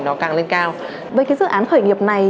nó càng lên cao với cái dự án khởi nghiệp này